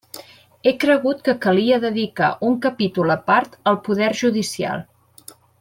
He cregut que calia dedicar un capítol a part al poder judicial.